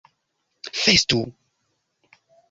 festu